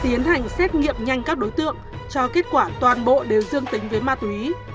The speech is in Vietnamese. tiến hành xét nghiệm nhanh các đối tượng cho kết quả toàn bộ đều dương tính với ma túy